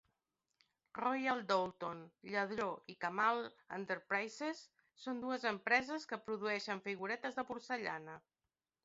Royal Doulton, Lladró i Camal Enterprises són dues empreses que produeixen figuretes de porcellana.